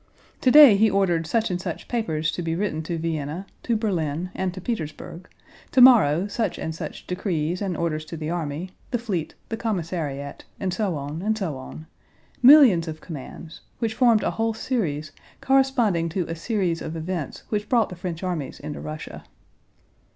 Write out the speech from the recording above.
Today he ordered such and such papers to be written to Vienna, to Berlin, and to Petersburg; tomorrow such and such decrees and orders to the army, the fleet, the commissariat, and so on and so on—millions of commands, which formed a whole series corresponding to a series of events which brought the French armies into Russia.